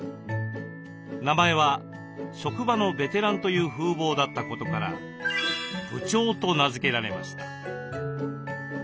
名前は職場のベテランという風貌だったことから「部長」と名付けられました。